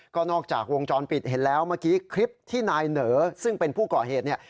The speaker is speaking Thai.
ก็นอกจากวงจรปิดเห็นแล้วเมื่อกี้คลิปที่นายเหนอซึ่งเป็นผู้ก่อเหตุเนี่ย